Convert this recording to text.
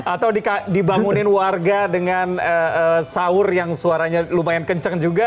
atau dibangunin warga dengan sahur yang suaranya lumayan kencang juga